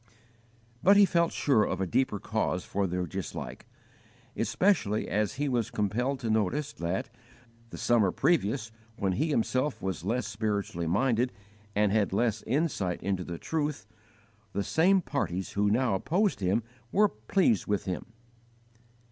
But he felt sure of a deeper cause for their dislike, especially as he was compelled to notice that, the summer previous, when he himself was less spiritually minded and had less insight into the truth, the same parties who now opposed him were pleased with him.